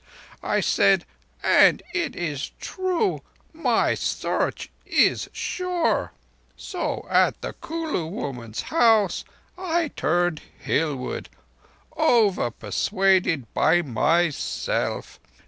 I said, and it is true, my Search is sure. So, at the Kulu woman's house I turned hillward, over persuaded by myself.